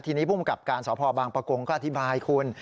ทีนี้ผู้กำกับการสบปกงก็อธิบายคุณ